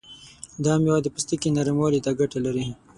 دا میوه د پوستکي نرموالي ته ګټه لري.